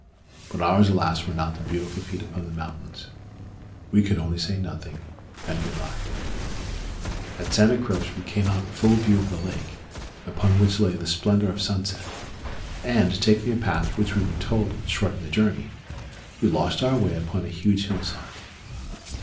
But ours, alas! were not the beautiful feet upon the mountains. We could only say "nothing" and "good bye." At Santa Croce we came out in full view of the lake, upon which lay the splendor of sunset, and, taking a path which we were told would shorten the journey, we lost our way upon a huge hill side.